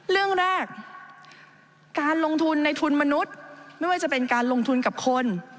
เรื่องแรกการลงทุนในทุนมนุษย์ไม่ว่าจะเป็นการลงทุนกับคน